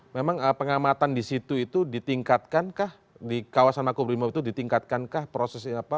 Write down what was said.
memang pengamatan di situ itu ditingkatkankah di kawasan mako primop itu ditingkatkankah proses apa